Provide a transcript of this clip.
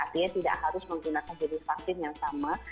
artinya tidak harus menggunakan jenis vaksin yang sama